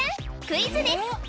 クイズです